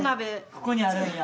ここにあるんや。